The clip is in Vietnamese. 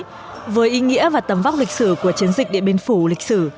phần ba với ý nghĩa và tầm vóc lịch sử của chiến dịch điện biên phủ lịch sử